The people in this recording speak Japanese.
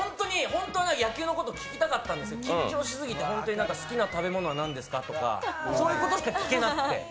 本当は野球のこと聞きたかったんですけど緊張しすぎて、好きな食べ物は何ですかとか、そういうことしか聞けなくて。